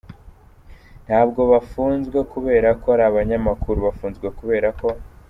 "Ntabwo bafunzwe kubera ko ari abanyamakuru, bafunzwe kubera ko.